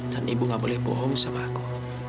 dan ibu gak boleh bohong sama aku